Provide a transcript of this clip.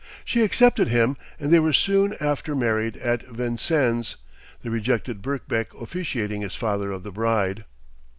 She accepted him, and they were soon after married at Vincennes, the rejected Birkbeck officiating as father of the bride.